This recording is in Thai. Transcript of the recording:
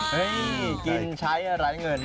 เฮ้ยกินใช้รายเงิน